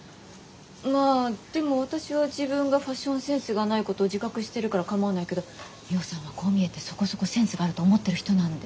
まぁでも私は自分がファッションセンスがないこと自覚してるから構わないけどミホさんはこう見えてそこそこセンスがあると思ってる人なんで。